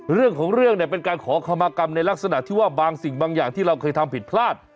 เรื่องของเรื่องเนี่ยเป็นการขอคำมากรรมในลักษณะที่ว่าบางสิ่งบางอย่างที่เราเคยทำผิดพลาด